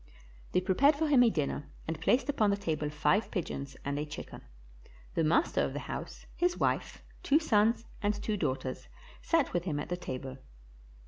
They prepared for him a dinner and placed upon the table five pigeons and a chicken. The master of the house, his wife, two sons, and two daughters sat with him at the table.